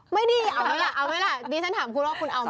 ไม่ดีเอาไหมล่ะเอาไหมล่ะดิฉันถามคุณว่าคุณเอาไหม